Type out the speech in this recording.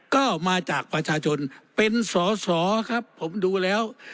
ก็มาจากประชาชนเป็นสอสอครับผมดูแล้ว